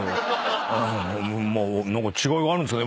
違いがあるんですかね？